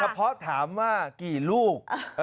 เพาะถามว่ากี่ลูก